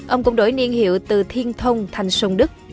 ông cũng đổi niên hiệu từ thiên thông thành sông đức